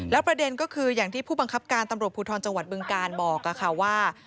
ประเด็นก็คืออย่างที่ผู้บังคับการตำรวจภูทรจังหวัดบึงการบอกว่า